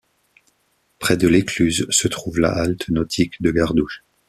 Près de l'écluse se trouve la halte nautique de Gardouch.